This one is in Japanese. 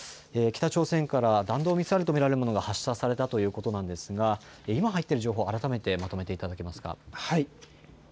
北朝鮮から弾道ミサイルと見られるものが発射されたということなんですが今入ってる情報を改めてまとめていただけますか。